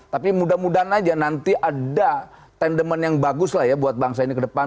tapi mudah mudahan aja nanti ada tendemen yang bagus lah ya buat bangsa ini ke depan